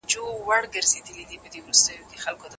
مادي ژبه د پوهې امانت ساتي.